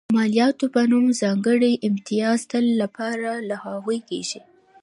د مالیاتو په نوم ځانګړي امتیازات تل لپاره لغوه کېږي.